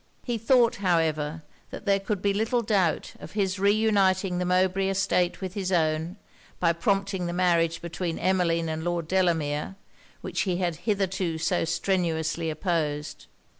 He thought, however, that there could be little doubt of his re uniting the Mowbray estate with his own, by promoting the marriage between Emmeline and Lord Delamere, which he had hitherto so strenuously opposed.